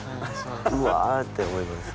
わぁって思います。